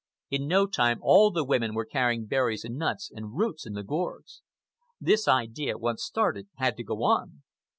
In no time all the women were carrying berries and nuts and roots in the gourds. The idea, once started, had to go on.